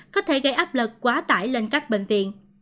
có thể gây áp lực quá tải lên các bệnh viện